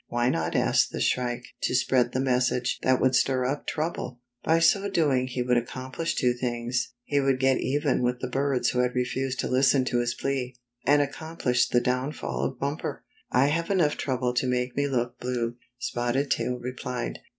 Why not ask the Shrike to spread the message that would stir up trouble? By so doing he would accomplish two things. He would get even with the birds who had refused to listen to his plea, and accomplish the downfall of Bumper. " I have enough trouble to make me look blue," Spotted Tail replied.